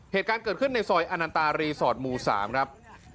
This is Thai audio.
เหตุการณ์เกิดขึ้นในซอยอนันตารีสอร์ทหมู่๓ครับ